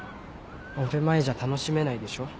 オペ前じゃ楽しめないでしょ？